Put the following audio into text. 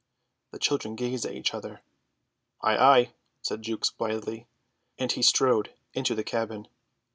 The children gazed at each other. "Ay, ay," said Jukes blithely, and he strode into the cabin.